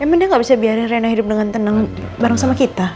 emang dia gak bisa biarin renah hidup dengan tenang bareng sama kita